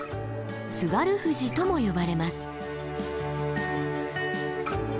「津軽富士」とも呼ばれます。